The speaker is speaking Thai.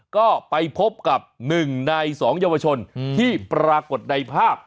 ก็ไปพบกับ๑ใน๒เยาวชนที่ปรากฏในภาพ